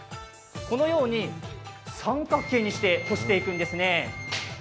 このように三角形にして干していくんですね。